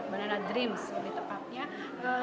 banana dreams lebih tepatnya